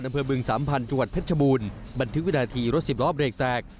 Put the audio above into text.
อำเภอบึงสามพันธุ์จังหวัดเพชรชบูรณ์บันทึกวินาทีรถสิบล้อเบรกแตก